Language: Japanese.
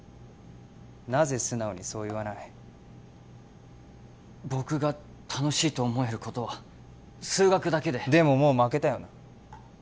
なぜ素直にそう言わない僕が楽しいと思えることは数学だけででももう負けたよな